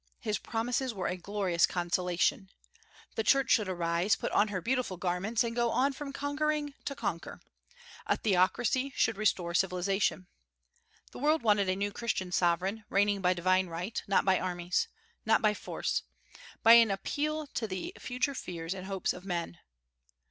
His promises were a glorious consolation. The Church should arise, put on her beautiful garments, and go on from conquering to conquer. A theocracy should restore civilization. The world wanted a new Christian sovereign, reigning by divine right, not by armies, not by force, by an appeal to the future fears and hopes of men.